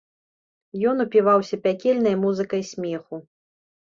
Ён упіваўся пякельнай музыкай смеху.